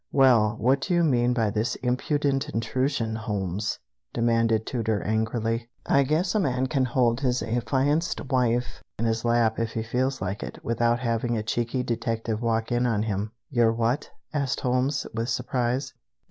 "Well, what do you mean by this impudent intrusion, Holmes?" demanded Tooter angrily. "I guess a man can hold his affianced wife in his lap if he feels like it, without having a cheeky detective walk in on him." "Your what?" asked Holmes, with surprise.